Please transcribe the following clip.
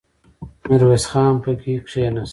ميرويس خان پکې کېناست.